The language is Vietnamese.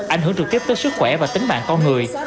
ảnh hưởng trực tiếp tới sức khỏe và tính mạng con người